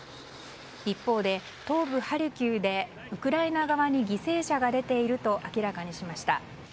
一方で東部ハルキウでウクライナ側に犠牲者が出ていると明らかにしました。